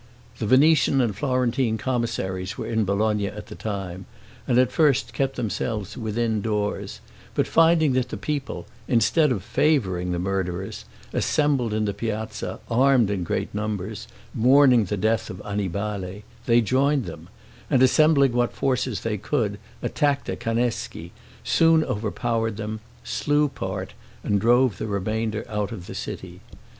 The Venetian and Florentine commissaries were in Bologna at the time, and at first kept themselves within doors; but finding that the people, instead of favoring the murderers, assembled in the piazza, armed in great numbers, mourning the death of Annibale, they joined them; and, assembling what forces they could, attacked the Canneschi, soon overpowered them, slew part, and drove the remainder out of the city.